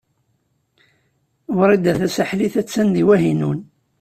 Wrida Tasaḥlit a-tt-an deg Wahinun.